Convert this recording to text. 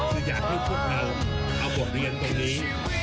คืออยากให้พวกเราเอาบทเรียนตรงนี้